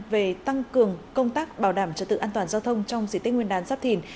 về tăng cường công tác bảo đảm trật tự an toàn giao thông trong dị tích nguyên đán sắp thỉnh